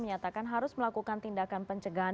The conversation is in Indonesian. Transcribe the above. menyatakan harus melakukan tindakan pencegahan